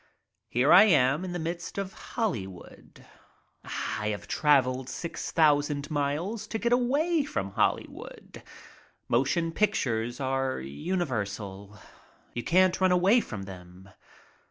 Here I am in the midst of Hollywood. I have traveled six thousand miles to get away from Hollywood. Motion pictures are universal. You can't run away from them.